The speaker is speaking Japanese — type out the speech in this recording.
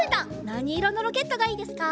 なにいろのロケットがいいですか？